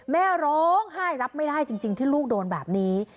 แม่ร้องไห้รับไม่ได้จริงที่ลูกโดนแบบนี้